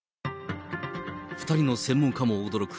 ２人の専門家も驚く